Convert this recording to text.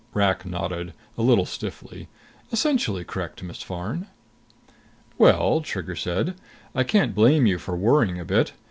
Rak nodded, a little stiffly. "Essentially correct, Miss Farn." "Well," Trigger said, "I can't blame you for worrying a bit.